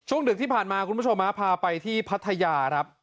ช่วงดึกที่ผ่านมาคุณผู้ชมมาพาไปที่พัทยา